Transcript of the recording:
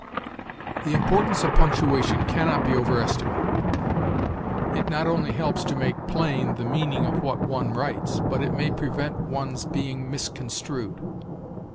The importance of punctuation can not be overestimated; it not only helps to make plain the meaning of what one writes, but it may prevent one's being misconstrued.